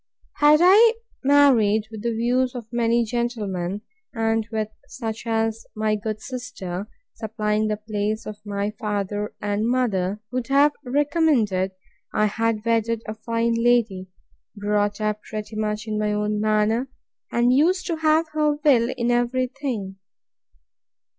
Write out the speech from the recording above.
Had I married with the views of many gentlemen, and with such as my good sister (supplying the place of my father and mother,) would have recommended, I had wedded a fine lady, brought up pretty much in my own manner, and used to have her will in every thing.